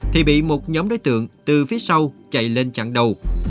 thì bị một nhóm đối tượng từ phía sau chạy lên chặn đầu